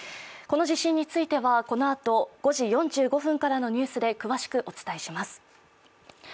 この地震についてはこのあと５時４５分からのニュースで詳しくお伝えします。